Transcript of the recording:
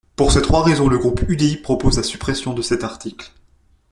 Pour ces trois raisons, le groupe UDI propose la suppression de cet article.